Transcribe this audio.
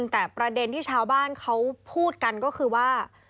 แต่ประเด็นที่ชาวบ้านเขาพูดกันก็คือว่า